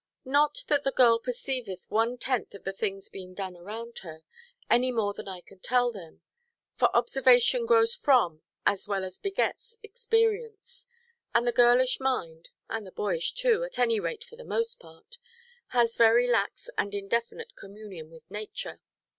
Not that the girl perceived one–tenth of the things being done around her, any more than I can tell them; for observation grows from as well as begets experience; and the girlish mind (and the boyish too, at any rate for the most part) has very lax and indefinite communion with nature.